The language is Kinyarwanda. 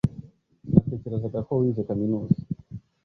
Sinatekerezaga ko wize kaminuza